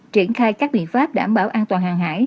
triển khai các biện pháp đảm bảo an toàn hàng hải